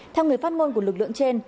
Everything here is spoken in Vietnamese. theo người phát môn của lực lượng trên